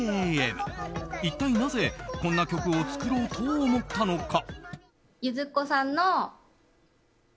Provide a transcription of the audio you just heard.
一体なぜこんな曲を作ろうと思ったのか。